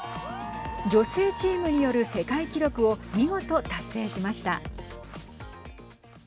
女性チームによる世界記録を見事、達成しました。